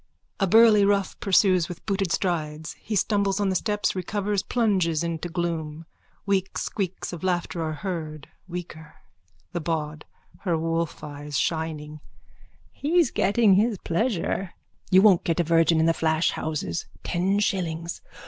A burly rough pursues with booted strides. He stumbles on the steps, recovers, plunges into gloom. Weak squeaks of laughter are heard, weaker.)_ THE BAWD: (Her wolfeyes shining.) He's getting his pleasure. You won't get a virgin in the flash houses. Ten shillings.